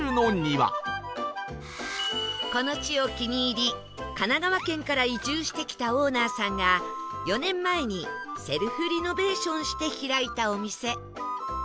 この地を気に入り神奈川県から移住してきたオーナーさんが４年前にセルフリノベーションして開いたお店